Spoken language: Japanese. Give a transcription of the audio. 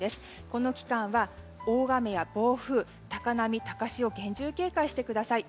この期間は大雨や暴風、高波高潮に厳重警戒してください。